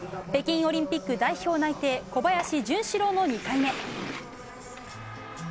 北京オリンピック代表内定小林潤志郎の２回目。